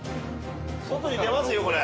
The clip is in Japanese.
外に出ますよこれ。